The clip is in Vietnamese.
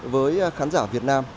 với khán giả việt nam